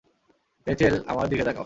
Rachel, আমার দিকে তাকাও।